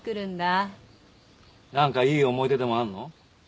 なんかいい思い出でもあるの？